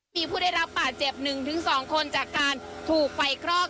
มีผู้ได้รับบาดเจ็บ๑๒คนจากการถูกไฟคลอก